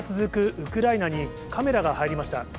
ウクライナにカメラが入りました。